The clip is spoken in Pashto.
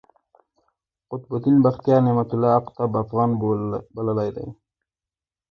قطب الدین بختیار، نعمت الله اقطب افغان بللی دﺉ.